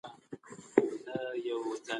که ته قانون تعقيب کړې، امن ساتل کېږي.